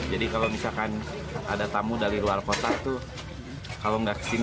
jadi kalau misalkan ada tamu dari luar kota kalau tidak ke sini